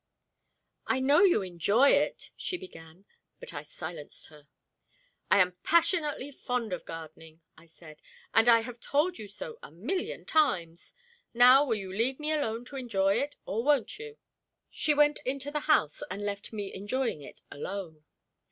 "I know you enjoy it," she began, but I silenced her. "I am passionately fond of gardening," I said, "and I have told you so a million times. Now will you leave me alone to enjoy it, or won't you?" She went into the house and left me enjoying it alone.